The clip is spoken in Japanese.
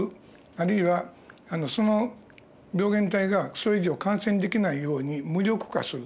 あるいはその病原体がそれ以上感染できないように無力化する。